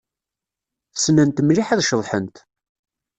Ssnent mliḥ ad ceḍḥent.